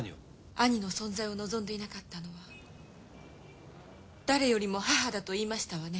兄の存在を望んでいなかったのは誰よりも母だと言いましたわね。